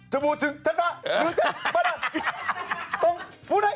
จะบูชึงชั้นฟ้าหรือชั้นประดับ